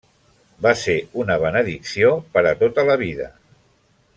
Va ser una benedicció per a tota la vida.